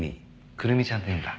玖瑠美ちゃんっていうんだ。